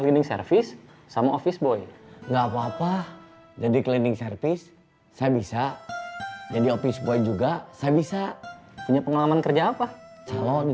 ini sendiri yang sudah dibangunin